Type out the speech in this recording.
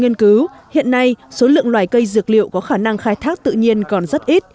nghiên cứu hiện nay số lượng loài cây dược liệu có khả năng khai thác tự nhiên còn rất ít